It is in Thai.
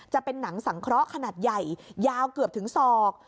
จะเป็นหนังสังเคราะห์ขนาดใหญ่ยาวเกือบถึงศอก